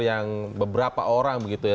yang beberapa orang begitu ya